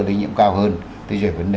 đấy nhiễm cao hơn